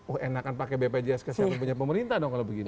oh enakan pakai bpjs kesehatan punya pemerintah dong kalau begini